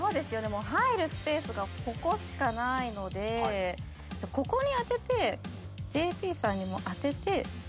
入るスペースがここしかないのでここに当ててＪＰさんにも当てて。